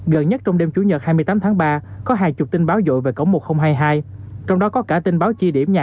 gần nhất trong đêm chủ nhật hai mươi tám tháng ba có hàng chục tin báo dội về cổng một nghìn hai mươi hai trong đó có cả tin báo chi điểm nhà